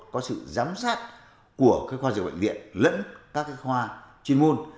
có sự giám sát của cái khoa diệu bệnh viện lẫn các cái khoa chuyên môn